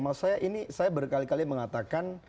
masa ini saya berkali kali mengatakan